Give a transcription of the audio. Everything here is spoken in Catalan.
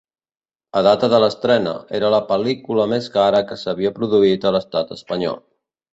A data de l'estrena, era la pel·lícula més cara que s'havia produït a l'estat espanyol.